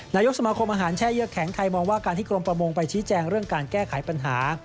นายกสมาคมอาหารแช่เยื่อแข็งไทยมองว่าการที่กรมประมงไปชี้แจงเรื่องการแก้ไขปัญหา